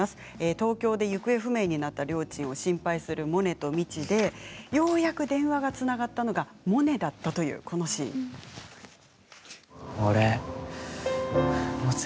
東京で行方不明になったりょーちんを心配するモネと未知ようやく電話がつながったのはモネだったというシーンです。